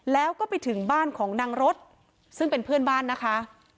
แล้วก็ไปถึงบ้านของนางรถซึ่งเป็นเพื่อนบ้านนะคะ